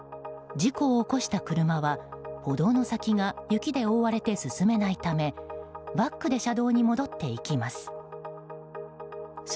事故を起こした車は、歩道の先が雪で覆われて進めないためバックで車道に戻っていきます。